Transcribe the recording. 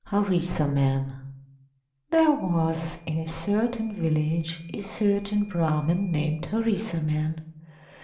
HARISARMAN There was in a certain village, a certain Brahman named Harisarman.